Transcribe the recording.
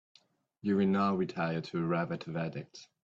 You will now retire to arrive at a verdict.